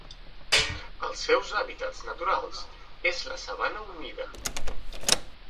Els seus hàbitats naturals és la sabana humida.